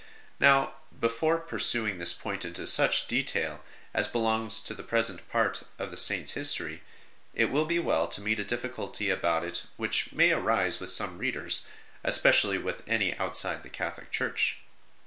Now, before pursuing this point into such detail as belongs to the present part of the Saint s history, it will be well to meet a difficulty about it which may arise with some readers, especially with any outside the Catholic Church.